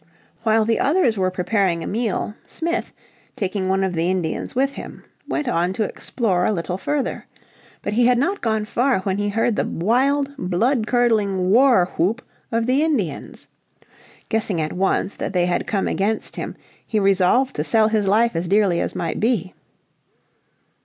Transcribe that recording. While the others were preparing a meal, Smith, taking one of the Indians with him, went on to explore a little further. But he had not gone far when he heard the wild, blood curdling war whoop of the Indians. Guessing at once that they had come against him he resolved to sell his life as dearly as might be.